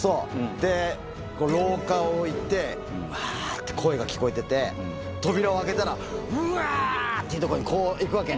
で、廊下を下りて、あーって声が聞こえてて、扉を開けたら、うわーっていうところにこう行くわけ。